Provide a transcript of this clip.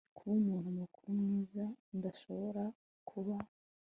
kuba umuntu mukuru mwiza ndashobora kuba